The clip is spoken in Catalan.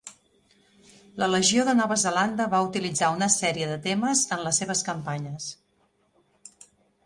La Legió de Nova Zelanda va utilitzar una sèrie de temes en les seves campanyes.